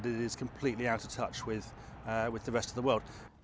bahwa ini tidak berhubungan dengan seluruh dunia